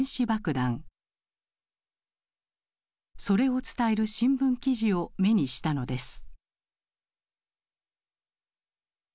それを伝える新聞記事を目にしたのです。